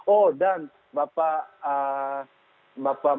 oh dan bapak michael manufando